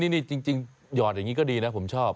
นี่จริงหยอดอย่างนี้ก็ดีนะผมชอบ